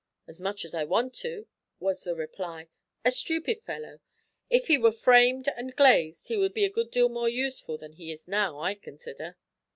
"As much as I want to," was the reply. "A stupid fellow. If he were framed and glazed he would be a good deal more useful than he now is, I consider."